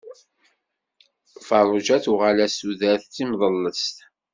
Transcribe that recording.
Ferruǧa tuɣal-as tudert d timḍellas.